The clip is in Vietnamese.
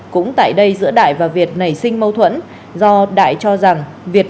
cũng tại đây giữa đại và việt nảy sinh mâu thuẫn do đại cho rằng việt